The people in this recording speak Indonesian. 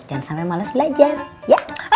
jangan sampai males belajar ya